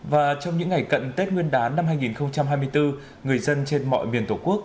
và trong những ngày cận tết nguyên đán năm hai nghìn hai mươi bốn người dân trên mọi miền tổ quốc